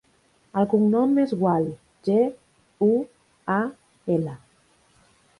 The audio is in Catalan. El cognom és Gual: ge, u, a, ela.